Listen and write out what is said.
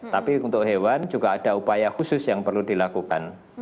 tapi untuk hewan juga ada upaya khusus yang perlu dilakukan